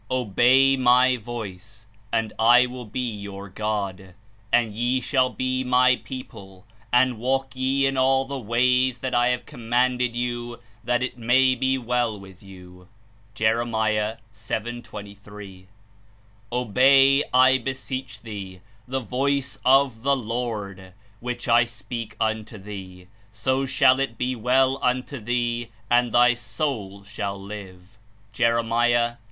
''Obey my voice, and I will be your God, and ye shall be my people; and walk ye in all the ways that I have commanded you, that it may be well with you. (Jer. 7. 23.) "Obey, I beseech thee, the voice of the Lord, which I speak unto thee; so shall it be well unto thee, and thy soul shall live/' (Jer. 38.